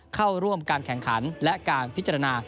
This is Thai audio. เข้าร่วมการแข่งขันและการพิจารณา